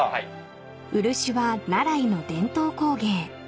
［漆は奈良井の伝統工芸］